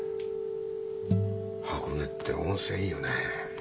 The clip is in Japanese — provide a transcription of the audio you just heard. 箱根って温泉いいよね